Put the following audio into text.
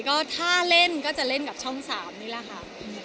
ก็ถ้าเล่นก็จะเล่นกับช่อง๓นี่แหละค่ะ